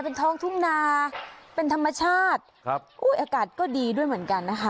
เป็นท้องทุ่งนาเป็นธรรมชาติครับอุ้ยอากาศก็ดีด้วยเหมือนกันนะคะ